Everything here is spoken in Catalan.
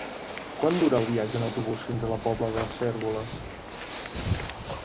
Quant dura el viatge en autobús fins a la Pobla de Cérvoles?